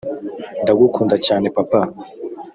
ndagukunda cyane, papa.